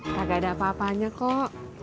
tak ada apa apanya kok